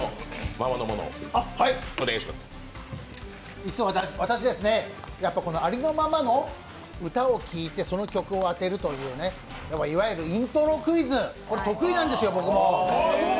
実は私ですね、ありのままの歌を聴いて、その曲を当てるといういわゆるイントロクイズ、これ得意なんですよ、僕も。